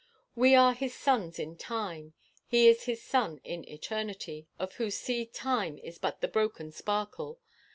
We are his sons in time: he is his Son in eternity, of whose sea time is but the broken sparkle.